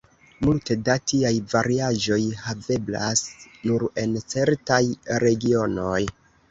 Multe da tiaj variaĵoj haveblas nur en certaj regionoj.